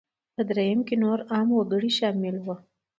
په درېیم کې نور عام وګړي شامل وو.